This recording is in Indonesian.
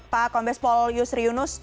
pak kombes pol yusri yunus